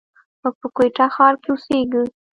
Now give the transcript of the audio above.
موږ په کوټه ښار کښي اوسېږي.